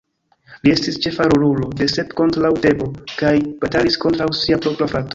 Li estis ĉefa rolulo de "Sep kontraŭ Tebo" kaj batalis kontraŭ sia propra frato.